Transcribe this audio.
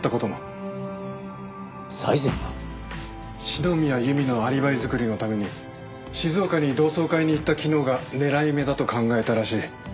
篠宮由美のアリバイ作りのために静岡に同窓会に行った昨日が狙い目だと考えたらしい。